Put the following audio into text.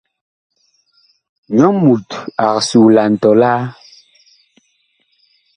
Nyɔ mut ag suulan tɔlaa.